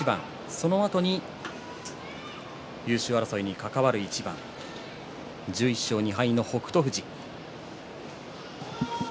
そのあと優勝争いに関わる一番１１勝２敗の北勝富士。